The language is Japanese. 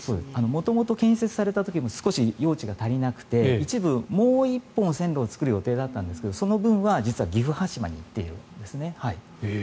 元々、建設された時も少し用地が足りなくて一部、もう１本線路を作る予定だったんですがその分は実は岐阜羽島に行ってるんですね。